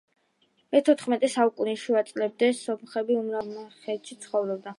მეთოთხმეტე საუკუნის შუა წლებამდე სომხები უმრავლესობა აღმოსავლეთ სომხეთში ცხოვრობდა.